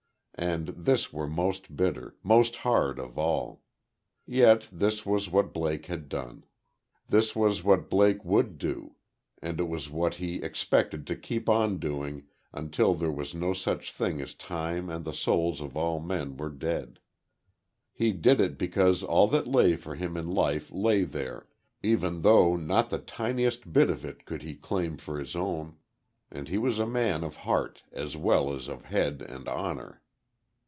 And this were most bitter, most hard, of all. Yet this was what Blake had done. This was what Blake would do; and it was what he expected to keep on doing until there was no such thing as time and the souls of all men were dead. He did it because all that lay for him in life lay there, even though not the tiniest bit of it could he claim for his own. And he was a man of heart, as well as of head, and honor.